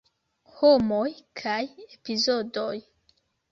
Homoj kaj epizodoj.